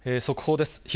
速報です。